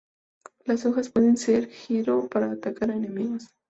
Las hojas pueden ser giró para atacar a enemigos.